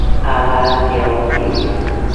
هغه هسي آوازې وي.